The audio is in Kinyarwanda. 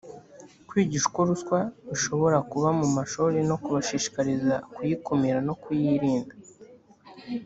kwigisha uko ruswa ishobora kuba mu mashuri no kubashishikariza kuyikumira no kuyirinda